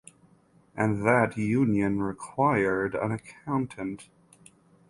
And that union required an accountant.